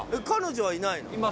彼女はいないの？